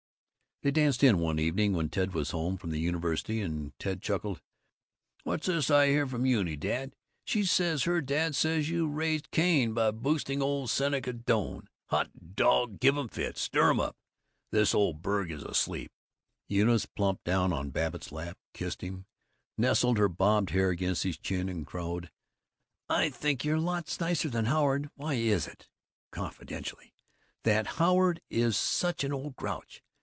They danced in one evening when Ted was home from the university, and Ted chuckled, "What's this I hear from Euny, dad? She says her dad says you raised Cain by boosting old Seneca Doane. Hot dog! Give 'em fits! Stir 'em up! This old burg is asleep!" Eunice plumped down on Babbitt's lap, kissed him, nestled her bobbed hair against his chin, and crowed, "I think you're lots nicer than Howard. Why is it," confidentially, "that Howard is such an old grouch?